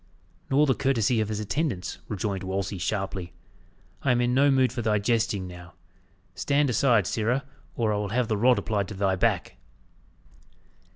"Nor the courtesy of his attendants," rejoined Wolsey sharply. "I am in no mood for thy jesting now. Stand aside, sirrah, or I will have the rod applied to thy back!"